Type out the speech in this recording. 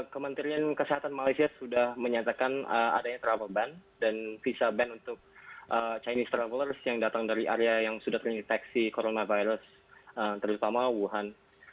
kementerian kesehatan malaysia sudah menyatakan adanya travel ban dan visa ban untuk chinese traveler yang datang dari area yang sudah terinfeksi coronavirus terutama wuhan